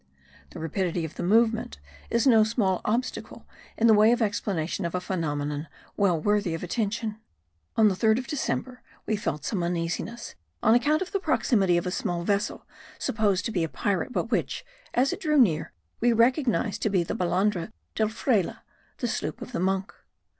The rapidity of the movement is no small obstacle in the way of explanation of a phenomenon well worthy of attention. On the 3rd of December we felt some uneasiness on account of the proximity of a small vessel supposed to be a pirate but which, as it drew near, we recognized to be the Balandra del Frayle (the sloop of the Monk).